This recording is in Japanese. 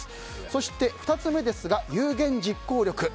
そして、２つ目ですが有言実行力。